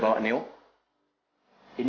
nggak di depan